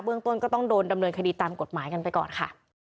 ต้นก็ต้องโดนดำเนินคดีตามกฎหมายกันไปก่อนค่ะ